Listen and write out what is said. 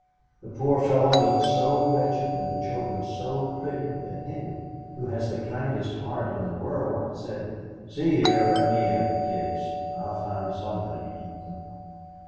The poor fellow looked so wretched and the children so pretty that Henry, who has the kindest heart in the world, said, 'See here, let me have the kids. I'll find somebody to keep them.'